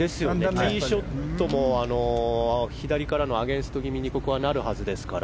ティーショットも左からのアゲンスト気味になるはずですから。